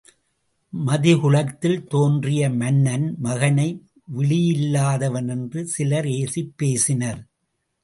மதிகுலத்தில் தோன்றிய மன்னன் மகனை விழியில்லாதவன் என்று சிலர் ஏசிப் பேசினர்.